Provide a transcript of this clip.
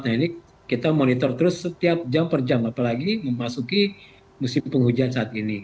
nah ini kita monitor terus setiap jam per jam apalagi memasuki musim penghujan saat ini